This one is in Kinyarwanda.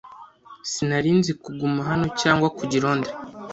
Sinari nzi kuguma hano cyangwa kujya i Londres.